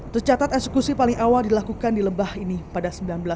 tercatat eksekusi paling awal dilakukan di lembah ini pada seribu sembilan ratus delapan puluh